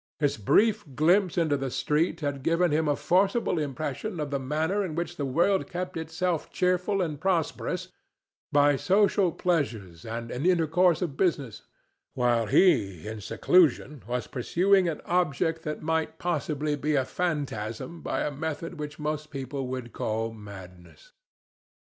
His brief glimpse into the street had given him a forcible impression of the manner in which the world kept itself cheerful and prosperous by social pleasures and an intercourse of business, while he in seclusion was pursuing an object that might possibly be a phantasm by a method which most people would call madness.